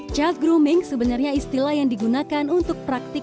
child grooming sebenarnya istilah yang digunakan untuk mencari kemampuan